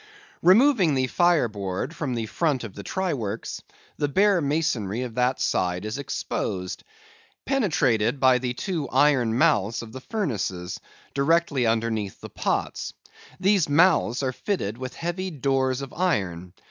Removing the fire board from the front of the try works, the bare masonry of that side is exposed, penetrated by the two iron mouths of the furnaces, directly underneath the pots. These mouths are fitted with heavy doors of iron.